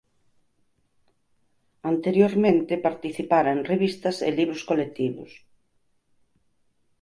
Anteriormente participara en revistas e libros colectivos.